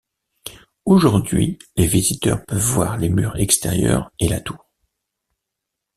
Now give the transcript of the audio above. Aujourd'hui, les visiteurs peuvent voir les murs extérieurs et la tour.